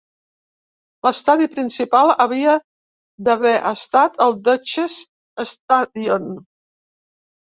L'estadi principal havia d'haver estat el Deutsches Stadion.